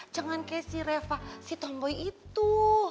jangan kayak si reva si tomboi itu